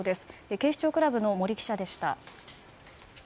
警視庁クラブの森記者でした。